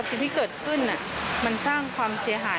สิ่งที่เกิดขึ้นมันสร้างความเสียหาย